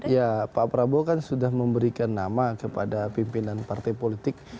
ya pak prabowo kan sudah memberikan nama kepada pimpinan partai politik